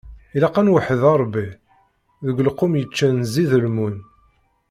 Ilaq ad nweḥḥed Ṛebbi, deg lqum yeččan ẓidelmum.